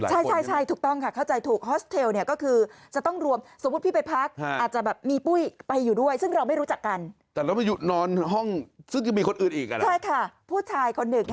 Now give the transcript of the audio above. ไม่ค่อยหมดถึงลวมของคนหลายคนไว้ใช่ถูกต้อง